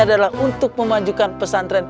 adalah untuk memanjukan pesantren